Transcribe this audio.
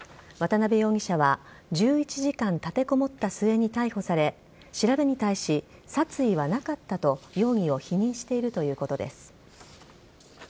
渡辺容疑者は１１時間たてこもった末に逮捕され調べに対し、殺意はなかったと容疑を否認しているということです。